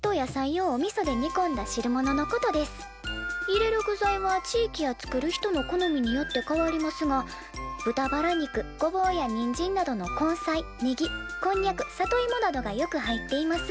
入れる具材は地域や作る人の好みによって変わりますが豚バラ肉ごぼうやにんじんなどの根菜ねぎこんにゃく里いもなどがよく入っています」。